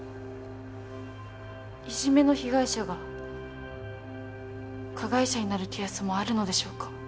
いじめの被害者が加害者になるケースもあるのでしょうか？